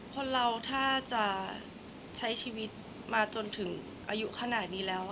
คนเราถ้าจะใช้ชีวิตมาจนถึงอายุขนาดนี้แล้ว